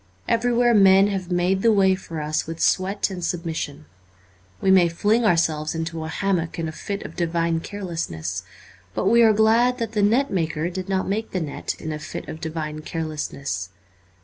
Everywhere men have made the way for us with sweat and sub mission. We may fling ourselves into a hammock in a fit of divine carelessness. But we are glad that the net maker did not make the net in a fit of divine carelessness.